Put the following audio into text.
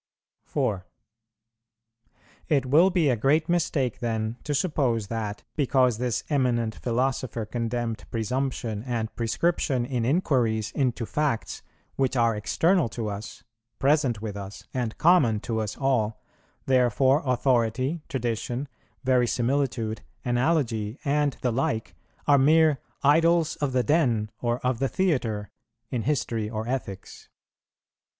4. It will be a great mistake then to suppose that, because this eminent philosopher condemned presumption and prescription in inquiries into facts which are external to us, present with us, and common to us all, therefore authority, tradition, verisimilitude, analogy, and the like, are mere "idols of the den" or "of the theatre" in history or ethics.